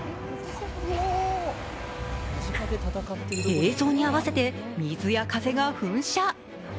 映像に合わせて水や風が噴射。